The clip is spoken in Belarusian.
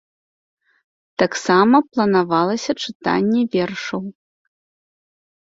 Таксама планавалася чытанне вершаў.